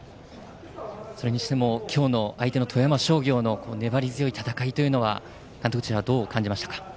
それにしても今日の相手の富山商業の粘り強い戦いというのは監督、どう感じましたか？